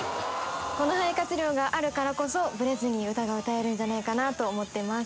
この肺活量があるからこそブレずに歌が歌えるんじゃないかなと思っています。